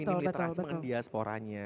yang ingin meliteras mengenai diasporanya